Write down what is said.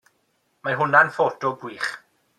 Mae hwnna'n ffoto gwych.